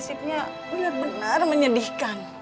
hasilnya benar benar menyedihkan